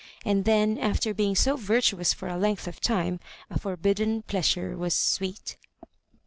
And then, after being so virtuous for a length of time, a forbidden pleasure was sweet.